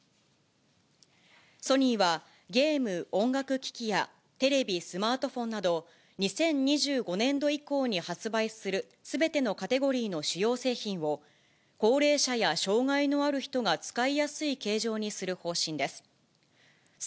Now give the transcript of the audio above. ソニーはゲーム、音楽機器やテレビ、スマートフォンなど、２０２５年度以降に発売するすべてのカテゴリーの主要製品を、高齢者や障がいのある人が使いやすい形状にする方針です。